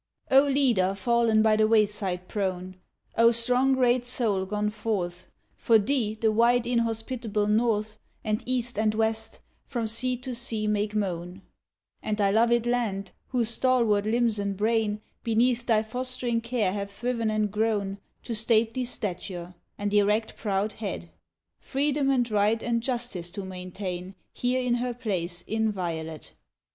O Leader fallen by the wayside prone, O strong great soul gone forth For thee the wide inhospitable north, And east and west, from sea to sea make moan: And thy loved land, whose stalwart limbs and brain, Beneath thy fostering care have thriven and grown To stately stature, and erect proud head, Freedom and Right and Justice to maintain Here in her place inviolate.